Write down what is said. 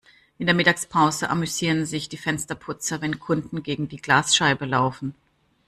In der Mittagspause amüsieren sich die Fensterputzer, wenn Kunden gegen die Glasscheibe laufen.